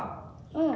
うん。